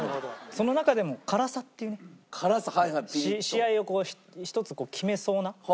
その中でも辛さっていうね試合を一つ決めそうなスパイス。